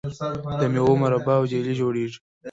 د میوو مربا او جیلی جوړیږي.